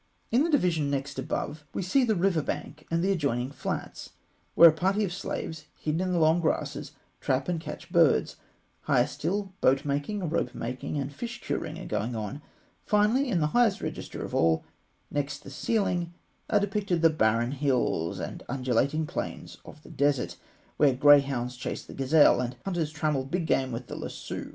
In the division next above, we see the river bank and the adjoining flats, where a party of slaves, hidden in the long grasses, trap and catch birds. Higher still, boat making, rope making, and fish curing are going on. Finally, in the highest register of all, next the ceiling, are depicted the barren hills and undulating plains of the desert, where greyhounds chase the gazelle, and hunters trammel big game with the lasso.